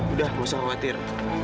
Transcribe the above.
udah gak usah khawatir